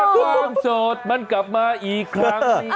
เพลงพอดีนะ